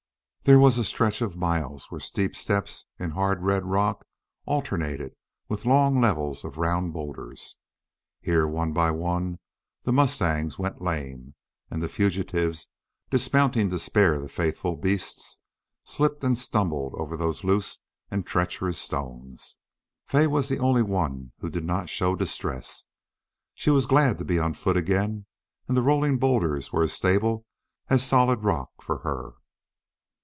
There was a stretch of miles where steep steps in hard red rock alternated with long levels of round boulders. Here one by one the mustangs went lame. And the fugitives, dismounting to spare the faithful beasts, slipped and stumbled over these loose and treacherous stones. Fay was the only one who did not show distress. She was glad to be on foot again and the rolling boulders were as stable as solid rock for her.